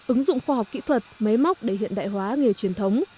ứng dụng khoa học kỹ thuật máy móc để hiện đại hóa nghề truyền thống